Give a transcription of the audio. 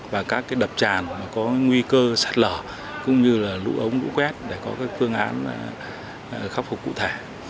và các cái đập tràn có nguy cơ sát lở cũng như là lũ ống lũ quét để có cái phương án khắc phục cụ thể